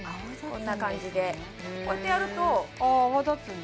こんな感じでこうやってやるとああ泡立つ